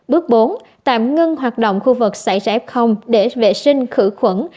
bước bốn tạm ngưng hoạt động khu vực xảy ra để vệ sinh khử khuẩn